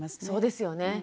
そうですよね。